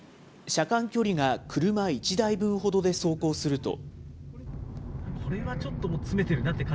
車間距離が車１台分ほどで走行すると。